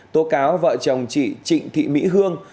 tố cáo vợ chồng chị trịnh thị mỹ hương